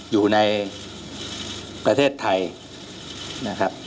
อยู่ในประเทศไทยนะครับ